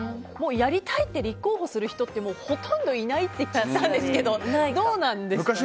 やりたいって立候補する人ってほとんどいないって聞いたんですけどどうなんですかね。